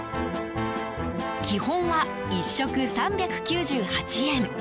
基本は、１食３９８円。